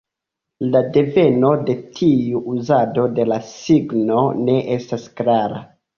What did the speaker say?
La deveno de tiu uzado de la signo ne estas klara.